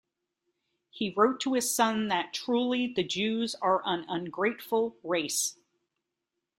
He wrote to his son that "truly the Jews are an ungrateful race".